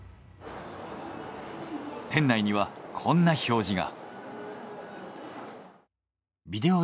店内にはこんな表示が。